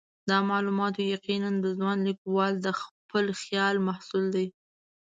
دا معلومات یقیناً د ځوان لیکوال د خپل خیال محصول دي.